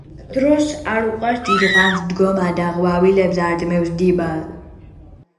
დროს არ უყვარს დიდხანს დგომა და ყვავილებს ართმევს დიბას